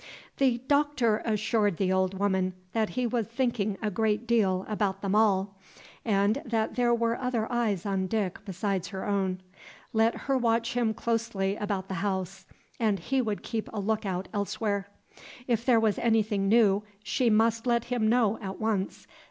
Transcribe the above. The Doctor assured the old woman that he was thinking a great deal about them all, and that there were other eyes on Dick besides her own. Let her watch him closely about the house, and he would keep a look out elsewhere. If there was anything new, she must let him know at once.